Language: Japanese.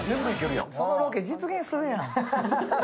そのロケ、実現するやん。